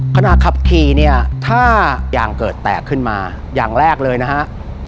ขณะขับขี่เนี่ยถ้ายางเกิดแตกขึ้นมาอย่างแรกเลยนะฮะ